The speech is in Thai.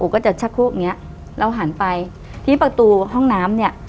ก็จะชักโครกอย่างเงี้ยเราหันไปที่ประตูห้องน้ำเนี่ย